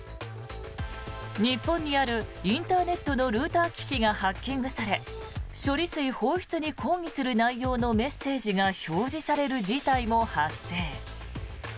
日本にあるインターネットのルーター機器がハッキングされ処理水放出に抗議する内容のメッセージが表示される事態も発生。